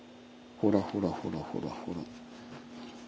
ほらほらほらほらほら。